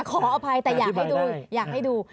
ขออภัยแต่อยากให้ดู